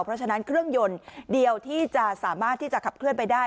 เพราะฉะนั้นเครื่องยนต์เดียวที่จะสามารถที่จะขับเคลื่อนไปได้